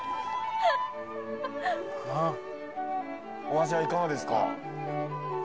お味はいかがですか？